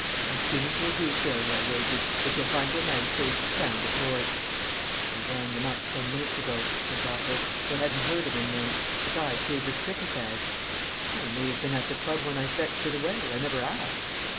"A guinea to a gooseberry," I wagered, "that you find your man safe and sound at Lord's." "I rang them up ten minutes ago," said Raffles. "They hadn't heard of him then; besides, here's his cricket bag." "He may have been at the club when I fetched it away I never asked."